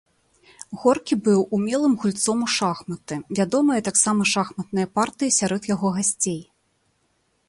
Горкі быў умелым гульцом у шахматы, вядомыя таксама шахматныя партыі сярод яго гасцей.